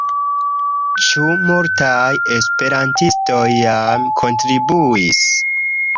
Ĉu multaj esperantistoj jam kontribuis?